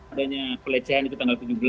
adanya pelecehan itu tanggal tujuh belas